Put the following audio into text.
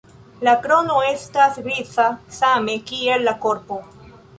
La krono estas griza same kiel la korpo.